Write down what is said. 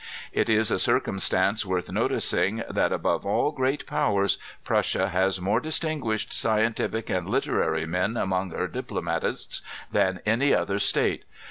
It is a circumstance worth noticing that above all great powersi Prussia has more distin guished, scientific and literary men among her diplomatists than, any other State.